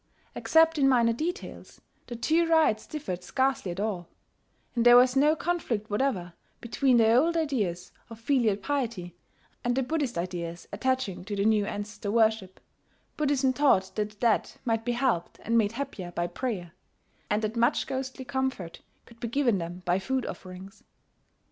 Except in minor details, the two rites differed scarcely at all; and there was no conflict whatever between the old ideas of filial piety and the Buddhist ideas attaching to the new ancestor worship, Buddhism taught that the dead might be helped and made happier by prayer, and that much ghostly comfort could be given them by food offerings.